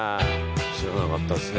知らなかったですね